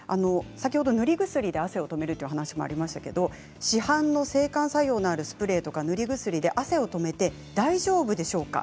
先ほど塗り薬で汗を止める話がありましたが、市販の制汗作用のあるスプレーや塗り薬で汗を止めて大丈夫でしょうか。